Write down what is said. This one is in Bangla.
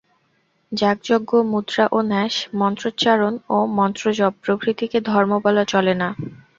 যাগ-যজ্ঞ, মুদ্রা ও ন্যাস, মন্ত্রোচ্চারণ বা মন্ত্রজপ প্রভৃতিকে ধর্ম বলা চলে না।